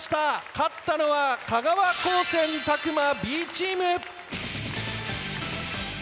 勝ったのは香川高専詫間Ｂチーム。